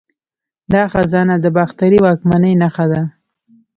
دا خزانه د باختري واکمنۍ نښه ده